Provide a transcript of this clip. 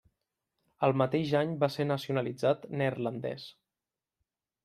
El mateix any va ser nacionalitzat neerlandès.